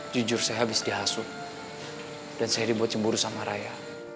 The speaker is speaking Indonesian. jujur saya habis dihasum dan saya dibuat cemburu sama raya